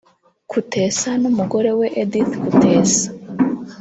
Kutesa n’umugore we Edith Kutesa